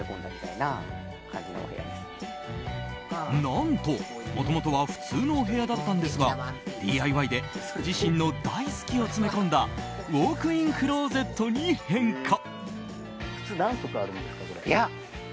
何と、もともとは普通のお部屋だったんですがＤＩＹで自身の大好きを詰め込んだウォークインクローゼットに変化。